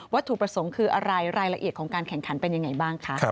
ถูกประสงค์คืออะไรรายละเอียดของการแข่งขันเป็นยังไงบ้างคะ